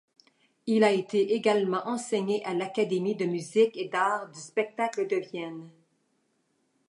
Il a également enseigné à l'Académie de musique et d'arts du spectacle de Vienne.